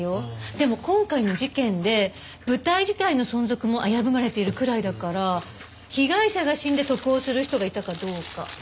でも今回の事件で舞台自体の存続も危ぶまれているくらいだから被害者が死んで得をする人がいたかどうか。